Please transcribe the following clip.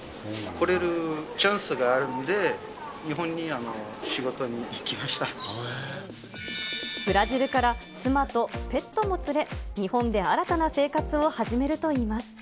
来れるチャンスがあるんで、ブラジルから、妻とペットも連れ、日本で新たな生活を始めるといいます。